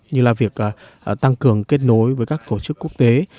như là việc tăng cường kết nối với các tổ chức quốc tế